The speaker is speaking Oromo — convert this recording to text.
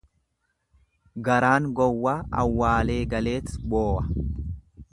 Garaan gowwaa awwaalee galeet boowa.